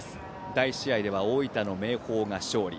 第１試合では大分の明豊が勝利。